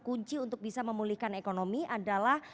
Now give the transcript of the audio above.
kunci untuk bisa memulihkan ekonomi adalah